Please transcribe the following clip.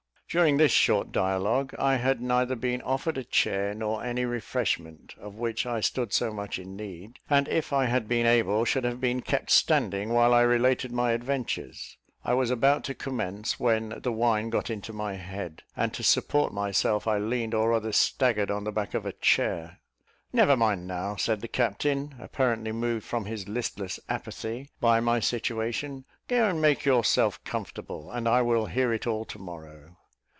During this short dialogue, I had neither been offered a chair nor any refreshment, of which I stood so much in need; and if I had been able, should have been kept standing while I related my adventures. I was about to commence, when the wine got into my head; and to support myself, I leaned, or rather staggered, on the back of a chair. "Never mind now," said the captain, apparently moved from his listless apathy by my situation; "go and make yourself comfortable, and I will hear it all to morrow."